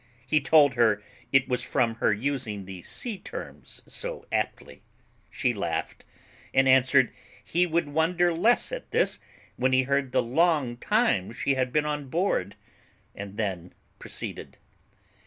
He told her it was from her using the sea terms so aptly: she laughed, and answered he would wonder less at this when he heard the long time she had been on board; and then proceeded.)